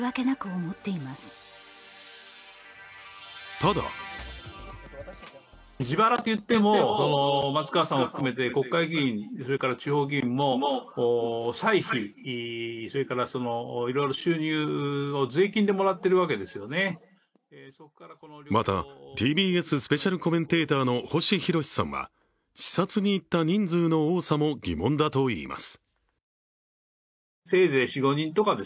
ただまた、ＴＢＳスペシャルコメンテーターの星浩さんは視察にいった人数の多さも疑問だといいます。